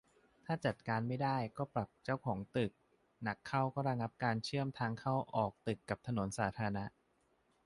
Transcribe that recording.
ถ้าจัดการไม่ได้ก็ปรับเจ้าของตึก หนักเข้าก็ระงับการเชื่อมทางเข้าออกตึกกับถนนสาธารณะ